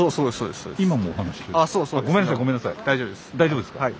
大丈夫ですか？